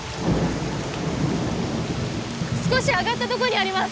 少し上がったどごにあります！